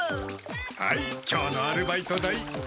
はい今日のアルバイト代。